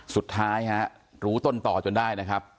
สุดท้ายฮะรู้ต้นต่อจนได้นะครับ